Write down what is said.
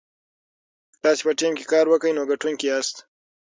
که تاسي په ټیم کې کار وکړئ نو ګټونکي یاست.